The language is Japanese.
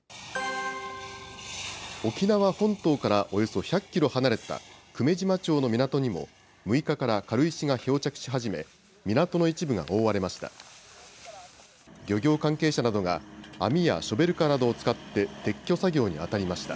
沖縄本島からおよそ１００キロ離れた久米島町の港にも、６日から軽石が漂着し始め、港の一部が覆われました。